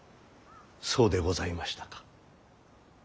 そうでございましたか。